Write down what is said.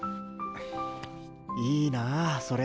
いいなぁそれ。